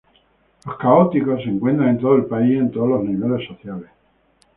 Los católicos se encuentran en todo el país y en todos los niveles sociales.